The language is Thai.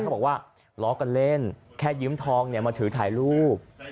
เขาบอกว่าล้อกันเล่นแค่ยืมทองมาถือถ่ายรูป